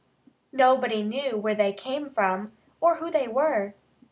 Nobody knew where they came from, or who they were.